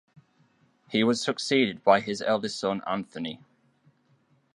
He was succeeded by his eldest son Anthony.